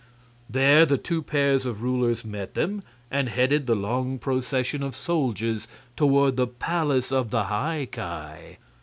There the two pairs of rulers met them and headed the long procession of soldiers toward the palace of the High Ki.